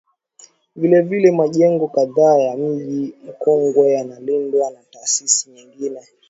Vilevile majengo kadhaa ya Mji Mkongwe yanalindwa na taasisi nyingine